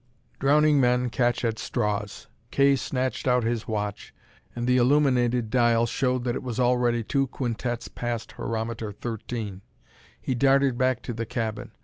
Drowning men catch at straws. Kay snatched out his watch, and the illuminated dial showed that it was already two quintets past horometer 13. He darted back to the cabin.